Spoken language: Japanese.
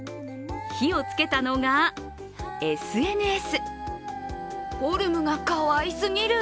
火をつけたのがＳＮＳ。